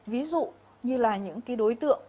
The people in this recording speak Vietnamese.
ví dụ như là những cái đối tượng